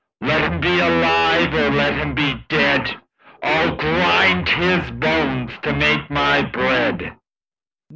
Let him he alive or let him be dead, I'll grind his bones to make my bread."